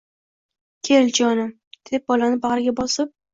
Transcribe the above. Kel, jonim,— dedi bolani bag‘riga bosib.